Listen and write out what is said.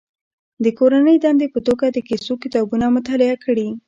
د کورنۍ دندې په توګه د کیسو کتابونه مطالعه کړي.